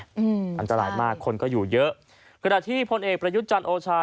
อืมอันตรายมากคนก็อยู่เยอะขณะที่พลเอกประยุทธ์จันทร์โอชา